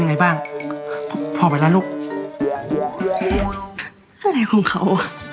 ยังไงบ้างพ่อไปล่ะลูกอะไรของเขา